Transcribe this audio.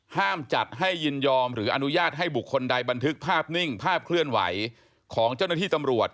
ห้ามจัดให้ยินยอมหรืออนุญาตให้บุคคลใดบันทึกภาพนิ่งภาพเคลื่อนไหวของเจ้าหน้าที่ตำรวจ